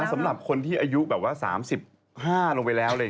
สำหรับคนที่อายุ๓๕ลงไปแล้ว